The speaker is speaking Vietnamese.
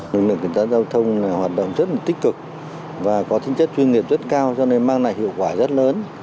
lực lượng kiểm tra giao thông hoạt động rất là tích cực và có tính chất chuyên nghiệp rất cao cho nên mang lại hiệu quả rất lớn